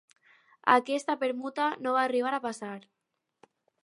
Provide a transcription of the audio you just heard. Aquesta permuta no va arribar a passar.